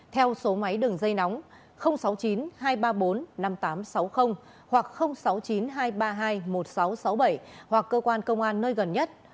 theo số máy đường dây nóng sáu mươi chín hai trăm ba mươi bốn năm nghìn tám trăm sáu mươi hoặc sáu mươi chín hai trăm ba mươi hai một nghìn sáu trăm sáu mươi bảy hoặc cơ quan công an nơi gần nhất